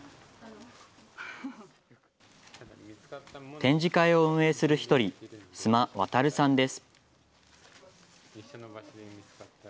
展示会を運営する１人、須磨航さんです。